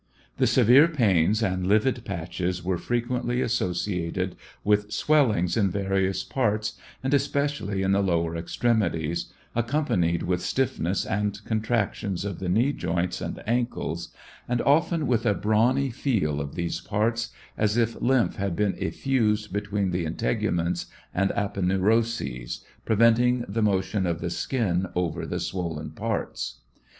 The severe pains and livid patches were frequently associated with swellings in various parts, and especially in the lower extremities, accompanied with stilfness and contractions of the knee joints and ankles, and often with a brawny feel of those parts, as if lymph had been eliused between the integuments and apeneuroses, preventing the motion of the skin over the swollen parts.